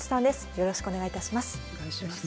よろしくお願いします。